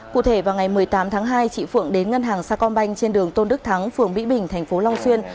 cụ thể vào ngày một mươi tám tháng hai chị phượng đến ngân hàng sa con banh trên đường tôn đức thắng phường mỹ bình tp long xuyên